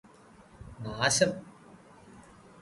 നാശം